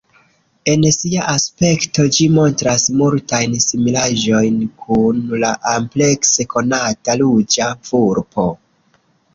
En sia aspekto ĝi montras multajn similaĵojn kun la amplekse konata Ruĝa vulpo.